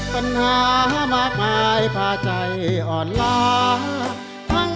ปัญหามากมายผ่าใจอ่อนล้า